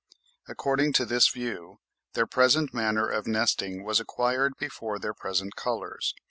According to this view, their present manner of nesting was acquired before their present colours.